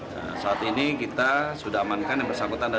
nah saat ini kita sudah amankan yang bersangkutan